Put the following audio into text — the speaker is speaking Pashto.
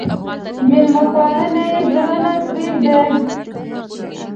مېلمه پالنه يې زړه نه پرېږدي.